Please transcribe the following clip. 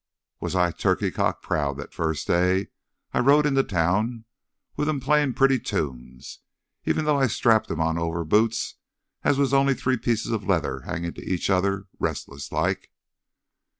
Was I turkey cock proud th' first day I rode into town with 'em playin' pretty tunes, even though I strapped 'em on over boots as was only three pieces of leather hangin' to each other restless like.